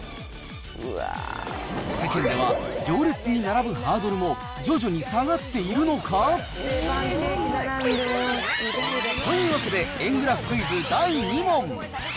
世間では行列に並ぶハードルも徐々に下がっているのか？というわけで、円グラフクイズ第２問。